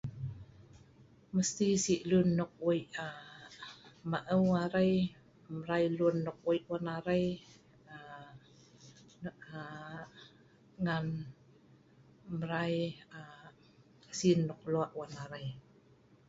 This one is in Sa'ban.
Mesti si’ luen nok wei aa.. maeu arai mbrai luen nok wei wan arai aa…aa.. ngan mbrai aa… sin nok loe’ wan arai